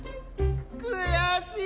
くやしい！